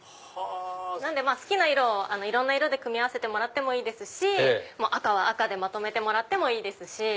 なので好きな色をいろんな色で組み合わせてもいいですし赤は赤でまとめてもらってもいいですし。